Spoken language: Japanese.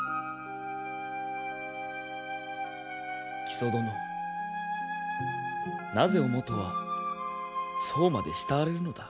木曽殿なぜおもとはそうまで慕われるのだ。